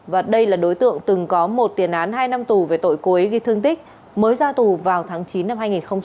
và đây là đối tượng từng có một tiền án hai năm tù về tội cối ghi thương tích mới ra tù vào tháng chín năm hai nghìn hai mươi